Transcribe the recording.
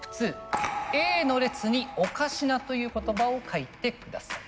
「Ａの列に『おかしな』という言葉を書いてください」。